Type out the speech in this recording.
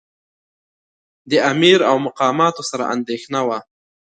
د امیر او مقاماتو سره اندېښنه وه.